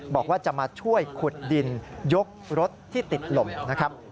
บอกว่าจะมาช่วยขุดดินยกรถที่ติดหลบนะครับ